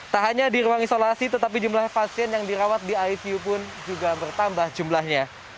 tak hanya di ruang isolasi tetapi jumlah pasien yang dirawat di icu pun juga bertambah jumlahnya